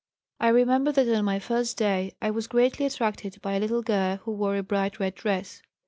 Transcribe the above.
I remember that on my first day I was Greatly attracted by a little girl who wore a bright red dress.